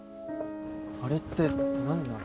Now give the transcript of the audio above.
あれって何なの？